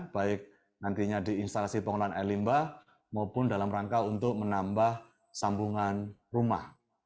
baik nantinya di instalasi pengelolaan air limbah maupun dalam rangka untuk menambah sambungan rumah